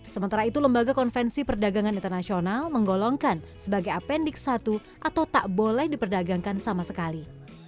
sementara itu lembaga konvensi perdagangan internasional menggolongkan sebagai apendik satu atau tak boleh diperdagangkan sama sekali